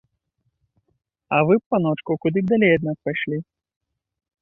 А вы б, паночку, куды б далей ад нас пайшлі.